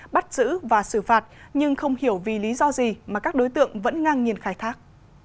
bắt giữ và xử phạt nhưng không hiểu vì lý do gì mà các đối tượng vẫn ngang nhìn khai thác